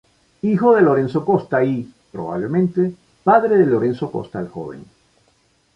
Hijo de Lorenzo Costa y, probablemente, padre de Lorenzo Costa el Joven.